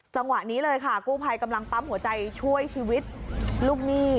จังหวะนี้เลยค่ะกู้ภัยกำลังปั๊มหัวใจช่วยชีวิตลูกหนี้